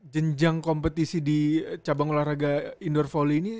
jenjang kompetisi di cabang olahraga indoor volley ini